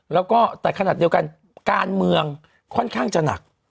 แล้วก็แต่ขนาดเดียวกันการเมืองค่อนข้างจะหนัก